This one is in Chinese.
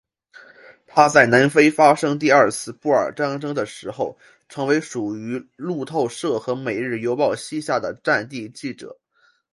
他在南非发生第二次布尔战争的时候成为属于路透社和每日邮报膝下的战地记者。